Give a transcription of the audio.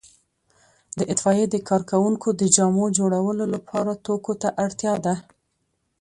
د اطفائیې د کارکوونکو د جامو جوړولو لپاره توکو ته اړتیا ده.